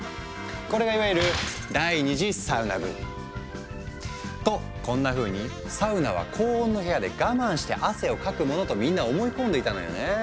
これがいわゆるとこんなふうに「サウナは高温の部屋で我慢して汗をかくもの」とみんな思い込んでいたのよね。